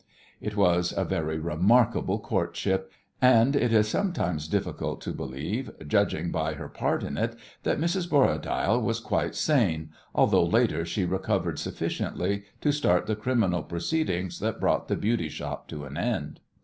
It was a very remarkable "courtship," and it is sometimes difficult to believe, judging by her part in it, that Mrs. Borradaile was quite sane, although later she recovered sufficiently to start the criminal proceedings that brought the "beauty shop" to an end.